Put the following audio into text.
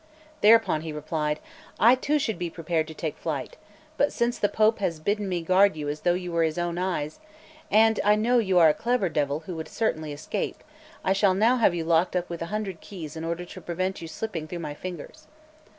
Thereupon he replied: "I too should be prepared to take flight; but since the Pope has bidden me guard you as though you were his own eyes, and I know you a clever devil who would certainly escape, I shall now have you locked up with a hundred keys in order to prevent you slipping through my fingers."